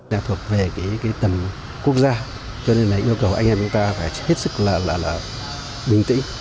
đã thuộc về cái tầm quốc gia cho nên là yêu cầu anh em chúng ta phải hết sức là bình tĩnh